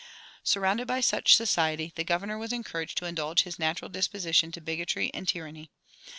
Surrounded by such society, the governor was encouraged to indulge his natural disposition to bigotry and tyranny.